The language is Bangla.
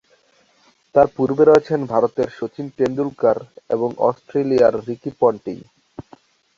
তার পূর্বে রয়েছেন ভারতের শচীন তেন্ডুলকর এবং অস্ট্রেলিয়ার রিকি পন্টিং।